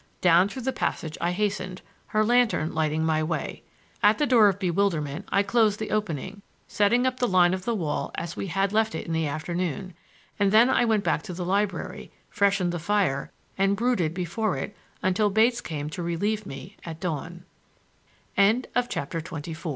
Down through the passage I hastened, her lantern lighting my way. At the Door of Bewilderment I closed the opening, setting up the line of wall as we had left it in the afternoon, and then I went back to the library, freshened the fire and brooded before it until Bates came to relieve